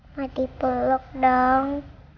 mau dipeluk dong